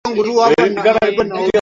kumbuka kuungana nasi hapo itakapotimia